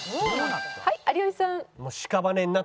「はい有吉さん」